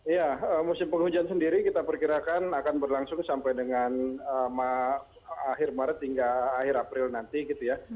ya musim penghujan sendiri kita perkirakan akan berlangsung sampai dengan akhir maret hingga akhir april nanti gitu ya